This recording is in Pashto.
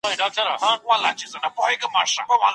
يواري خنــدا وكـړه تـه